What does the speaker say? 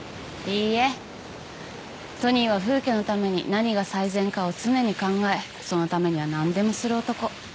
いいえトニーはフウ家のために何が最善かを常に考えそのためには何でもする男。